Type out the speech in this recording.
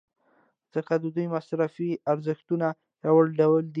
ځکه د دوی مصرفي ارزښتونه یو ډول دي.